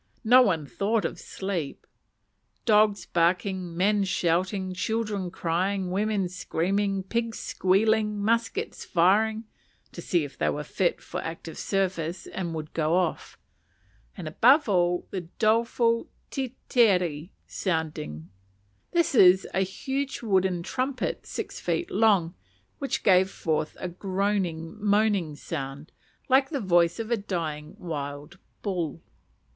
No one thought of sleep. Dogs barking, men shouting, children crying, women screaming, pigs squealing, muskets firing (to see if they were fit for active service and would go off), and above all the doleful tetere sounding. This was a huge wooden trumpet six feet long, which gave forth a groaning, moaning sound, like the voice of a dying wild bull.